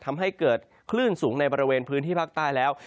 ทำให้เกิดคลื่นสูงในบริเวณพื้นที่ภาคใต้แล้ว